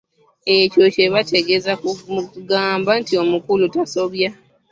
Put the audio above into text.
Ekyo kye bategeeza mu kugamba nti omukulu tasobya.